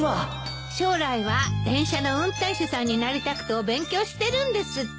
将来は電車の運転手さんになりたくてお勉強してるんですって。